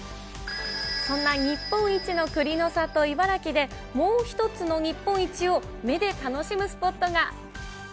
そんな日本一のくりの里、茨城でもう一つの日本一を目で楽しむスポットが。